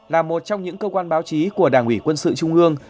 là một trong những cơ quan báo chí của đảng ủy quân sự trung ương